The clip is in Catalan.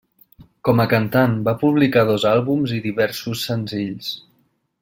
Com a cantant va publicar dos àlbums i diversos senzills.